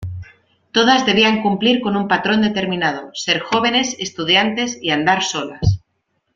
Todas debían cumplir con un patrón determinado: ser jóvenes, estudiantes y andar solas.